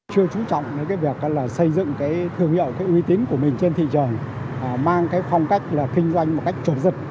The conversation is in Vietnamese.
chưa trú trọng cái việc xây dựng thương hiệu cái uy tín của mình trên thị trường mang cái phong cách là kinh doanh một cách chuột giật